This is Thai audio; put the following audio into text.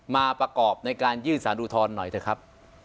มาประกอบในการยื่นสารอุทธรณ์หน่อยเถอะครับ